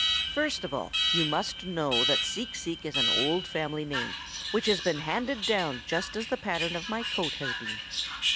"First of all, you must know that Seek Seek is an old family name which has been handed down just as the pattern of my coat has been.